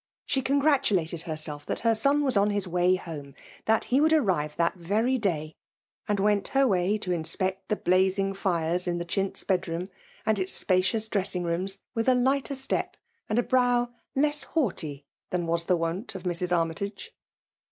She congratulated herself that her son was on hts way home — that he would arrive that very day, and went her way to inspect the blazing lires in the chintz bed room and its spacious dress ing rooms, with a lighter step, and brow leas haughty than was the wont of Mrs. Armytage.